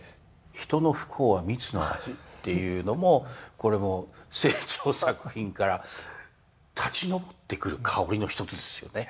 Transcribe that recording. ひとの不幸は蜜の味っていうのもこれも清張作品から立ちのぼってくる香りの一つですよね。